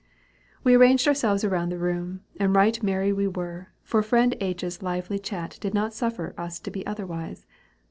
We arranged ourselves around the room, and right merry were we, for friend H.'s lively chat did not suffer us to be otherwise.